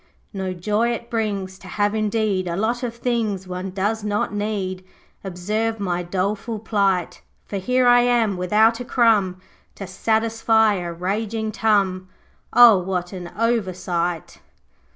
No joy it brings To have indeed A lot of things One does not need. Observe my doleful plight. For here am I without a crumb To satisfy a raging tum O what an oversight!'